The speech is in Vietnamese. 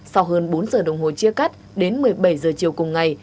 sau hơn bốn h đồng hồ chia cắt đến một mươi bảy h chiều cùng ngày